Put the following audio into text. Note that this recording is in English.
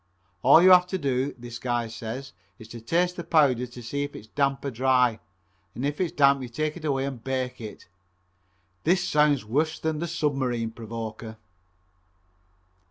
All you have to do, this guy says, is to taste the powder to see if it's damp or dry and if it's damp you take it away and bake it. This sounds worse than the Submarine Provoker.